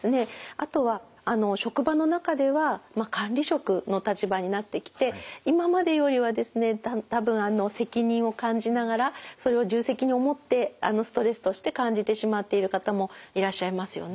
あとは職場の中では管理職の立場になってきて今までよりはですね多分責任を感じながらそれを重責に思ってストレスとして感じてしまっている方もいらっしゃいますよね。